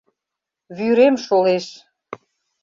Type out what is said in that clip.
— Вӱрем шолеш...